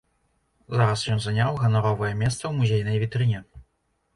Зараз ён заняў ганаровае месца ў музейнай вітрыне.